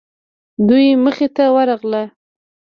دوی مخې ته ورغلو.